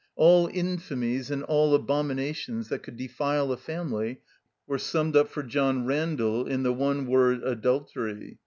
All infamies and all abominations that could defile a family were summed up for John Randall in the one word, adultery.